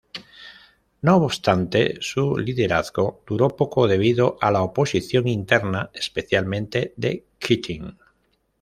No obstante su liderazgo duró poco debido a la oposición interna, especialmente de Keating.